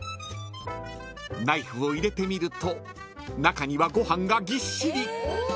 ［ナイフを入れてみると中にはご飯がぎっしり］